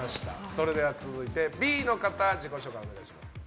それでは続いてＢの方、お願いします。